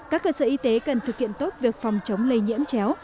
các cơ sở y tế cần thực hiện tốt việc phòng chống lây nhiễm chéo